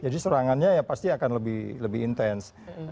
jadi serangannya ya pasti akan lebih intens